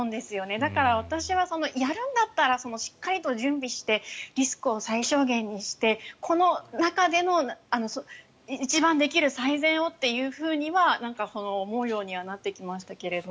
だから私は、やるんだったらしっかりと準備してリスクを最小限にしてこの中での一番できる最善をというように思うようにはなってきましたけれど。